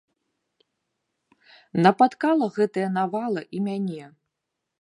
Напаткала гэтая навала і мяне.